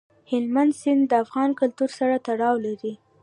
هلمند سیند د افغان کلتور سره تړاو لري.